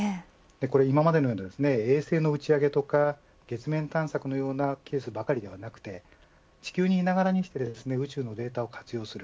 今までのような衛星の打ち上げとか月面探索のようなケースばかりではなくて地球にいながらにして宇宙のデータを活用する。